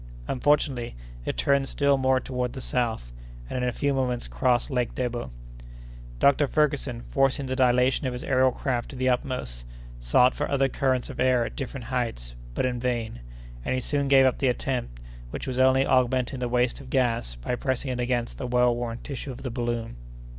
Unfortunately, it turned still more toward the south, and in a few moments crossed Lake Debo. Dr. Ferguson, forcing the dilation of his aërial craft to the utmost, sought for other currents of air at different heights, but in vain; and he soon gave up the attempt, which was only augmenting the waste of gas by pressing it against the well worn tissue of the balloon.